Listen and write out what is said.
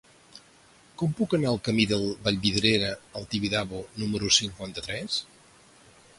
Com puc anar al camí de Vallvidrera al Tibidabo número cinquanta-tres?